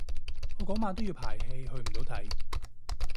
我嗰晚都要排戲去唔到睇